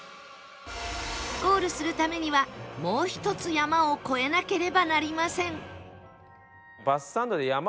ゴールするためにはもう１つ山を越えなければなりません